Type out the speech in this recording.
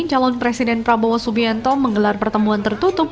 calon presiden prabowo subianto menggelar pertemuan tertutup